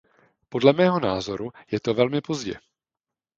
Podle mého názoru je to velmi pozdě.